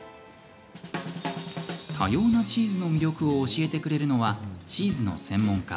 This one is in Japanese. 多様なチーズの魅力を教えてくれるのはチーズの専門家